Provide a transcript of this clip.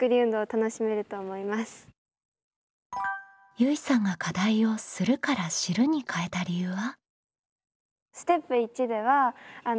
ゆいさんが課題を「する」から「知る」に変えた理由は？